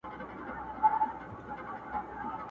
قافلې به د اغیارو پر پېچومو نیمه خوا سي!